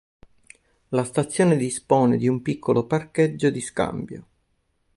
La stazione dispone di un piccolo parcheggio di scambio.